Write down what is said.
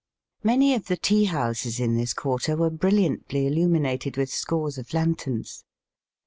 Many of the tea houses in this quarter were brilliantly illuminated with scores of lanterns.